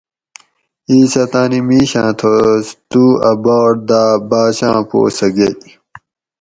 اِیس اۤ تانی مِیشاۤں تھوس تُو اۤ باٹ داۤ باۤچاۤں پو سہۤ گئ